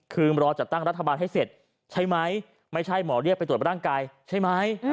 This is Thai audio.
คือรอจัดตั้งรัฐบาลให้เสร็จใช่ไหมไม่ใช่หมอเรียกไปตรวจร่างกายใช่ไหม